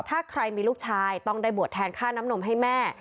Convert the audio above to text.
ถ้าใครมีลูกชายต้องได้บวชแทนค่าน้ำนมให้แม่